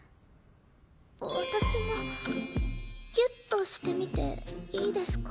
私もぎゅっとしてみていいですか？